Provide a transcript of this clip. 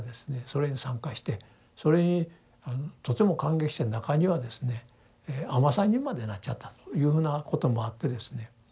それに参加してそれにとても感激して中にはですね尼さんにまでなっちゃったというふうなこともあってですね。